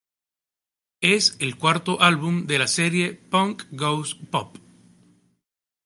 Es el cuarto álbum de la serie "Punk Goes Pop".